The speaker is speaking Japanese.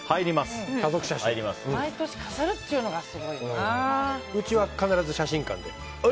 毎年飾るっていうのがうちは必ず写真館で。